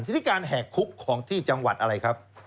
ทีนี้การแหกคุกของที่จังหวัดอะไรครับ